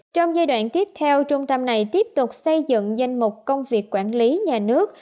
trong giai đoạn tiếp theo trung tâm này tiếp tục xây dựng danh mục công việc quản lý nhà nước